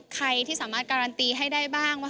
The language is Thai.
ใครที่สามารถการันตีให้ได้บ้างว่า